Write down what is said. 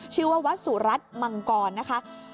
ชื่อว่าวัดสุรัตน์มังกรนะคะ